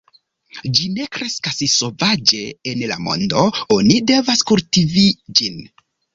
Ĝi ne kreskas sovaĝe en la mondo; oni devas kultivi ĝin.